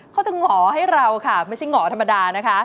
เขาจะหงอให้เราค่ะไม่ใช่หงอธรรมดานะคะ